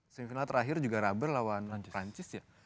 semifinal terakhir juga rubber lawan perancis ya